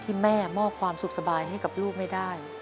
ที่แม่มอบความสุขสบายให้กับลูกไม่ได้